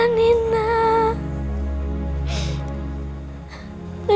tunjukkan pada asri ya allah